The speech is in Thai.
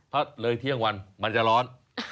เพราะเลยเที่ยงวันมันจะร้อน